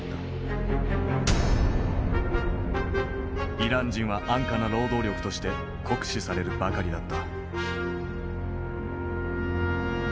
イラン人は安価な労働力として酷使されるばかりだった。